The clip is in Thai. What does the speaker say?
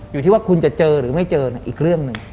อยู่ที่ว่าคุณจะเจอหรือไม่เจออีกเรื่องหนึ่ง